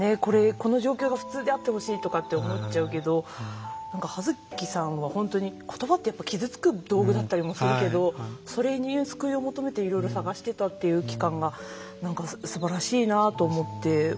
この状況が普通であってほしいとかって思っちゃうけど葉月さんは本当に言葉って傷つく道具だったりもするけどそれに救いを求めていろいろ探してたっていう期間がすばらしいなと思って。